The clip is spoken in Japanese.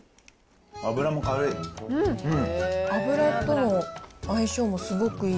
油も軽い。